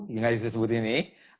juga disebut ini